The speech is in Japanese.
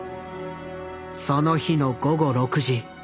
その日の午後６時。